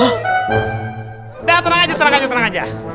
udah tenang aja tenang aja tenang aja